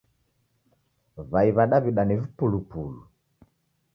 W'ai wa daw'ida ni vipulupulu